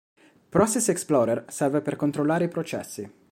Process Explorer serve per controllare i processi.